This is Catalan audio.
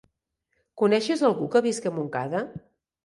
Coneixes algú que visqui a Montcada?